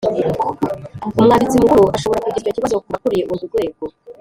Umwanditsi Mukuru ashobora kugeza icyo kibazo ku bakuriye urwo rwego